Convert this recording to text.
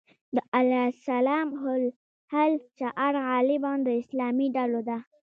د الاسلام هو الحل شعار غالباً د اسلامي ډلو ده.